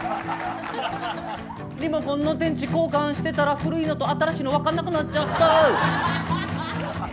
リモコンの電池交換してたら古いのと新しいのが分からなくなっちゃった。